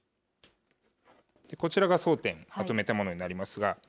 こちらが争点をまとめたものになりますが。